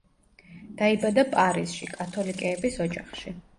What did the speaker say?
დაიბადა პარიზში კათოლიკეების ოჯახში.